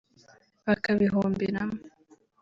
bakabihomberamo